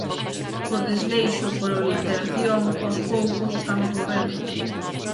Por desleixo, por obliteración; aos poucos, estamos morrendo